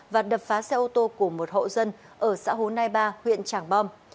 và đập phá xe ô tô của một hộ dân ở xã hồ nai ba huyện trảng bom